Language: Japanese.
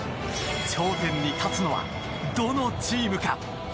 頂点に立つのは、どのチームか。